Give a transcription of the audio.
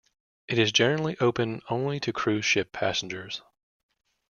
It is generally open only to cruise ship passengers.